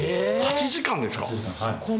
８時間ですか！？